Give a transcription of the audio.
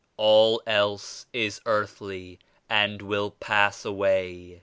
All else is earthly and will pass away.